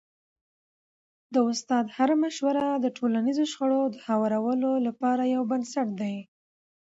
د استاد هره مشوره د ټولنیزو شخړو د هوارولو لپاره یو بنسټ دی.